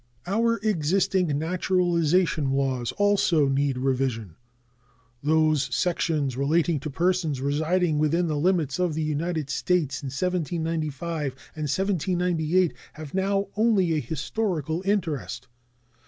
Our existing naturalization laws also need revision. Those sections relating to persons residing within the limits of the United States in 1795 and 1798 have now only a historical interest.